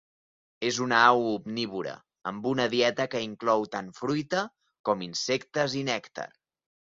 És una au omnívora, amb una dieta que inclou tant fruita com insectes i nèctar.